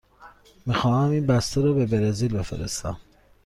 می خواهم این بسته را به برزیل بفرستم.